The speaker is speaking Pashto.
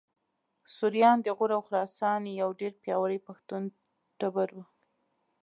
سوریان د غور او خراسان یو ډېر پیاوړی پښتون ټبر و